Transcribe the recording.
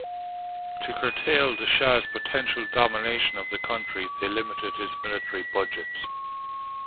To curtail the shah's potential domination of the country, they limited his military budgets.